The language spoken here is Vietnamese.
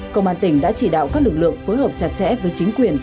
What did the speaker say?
công an tỉnh đã chỉ đạo các lực lượng phối hợp chặt chẽ với chính quyền